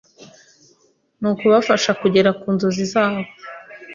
ni kubafasha kugera ku nzozi zabo